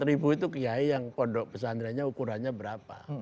empat itu kiai yang pondok pesantrenya ukurannya berapa